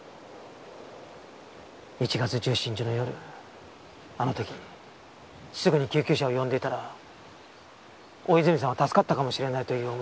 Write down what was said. １月１７日の夜あの時すぐに救急車を呼んでいたら大泉さんは助かったかもしれないという思い。